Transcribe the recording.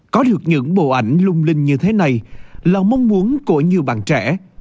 có được những bộ ảnh lung linh như thế này là mong muốn của nhiều bạn trẻ